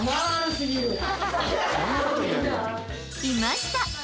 ［いました！